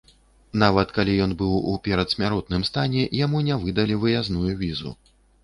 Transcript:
Нават калі ён быў у перадсмяротным стане, яму не выдалі выязную візу.